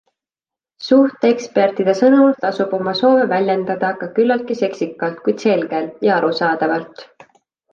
Suhteekspertide sõnul tasub oma soove väljendada ka küllaltki seksikalt, kuid selgelt ja arusaadavalt.